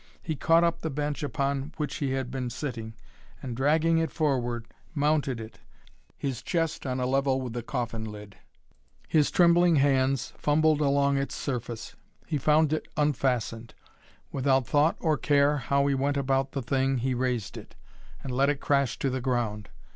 He caught up the bench upon which he had been sitting and, dragging it forward, mounted it and stood, his chest on a level with the coffin lid. His trembling hands fumbled along its surface. He found it unfastened. Without thought or care how he went about the thing, he raised it and let it crash to the ground.